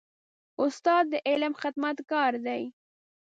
استاد د علم خدمتګار دی.